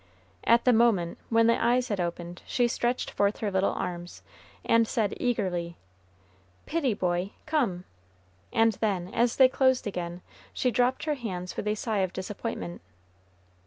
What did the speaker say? At the moment when the eyes had opened, she stretched forth her little arms, and said, eagerly, "Pitty boy, come," and then, as they closed again, she dropped her hands with a sigh of disappointment.